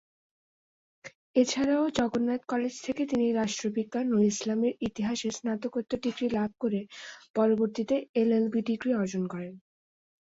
এছাড়া ও জগন্নাথ কলেজ থেকে তিনি রাষ্ট্রবিজ্ঞান ও ইসলামের ইতিহাসে স্নাতকোত্তর ডিগ্রি লাভ করে পরবর্তীতে এলএলবি ডিগ্রী অর্জন করেন।